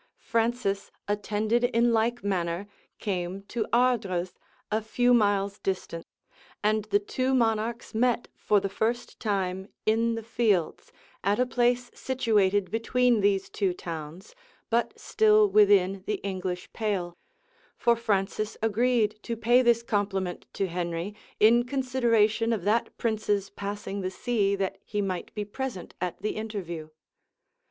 Francis, attended in like manner, came to Ardres, a few miles distant; and the two monarchs met, for the first time, in the fields, at a place situated between these two towns, but still within the English pale; for Francis agreed to pay this compliment to Henry, in consideration of that prince's passing the sea that he might be present at the interview.